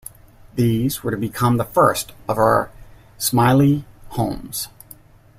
These were to become the first of her "Smyly Homes".